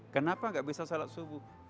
kenapa enggak bisa shalat subuh